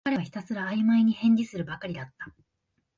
彼はひたすらあいまいに返事するばかりだった